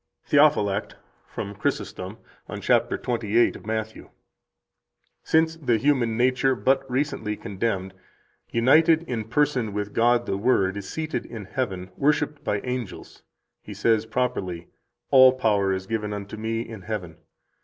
89 THEOPHYLACT, from Chrysostom, on chap 28 of Matt. (p. 311 [ed. Lutet., 8, 1631, fols. 184. 605 ): "Since the human nature, but recently condemned, united in person with God the Word, is seated in heaven, worshiped by angels, He says properly: 'All power is given unto Me in heaven.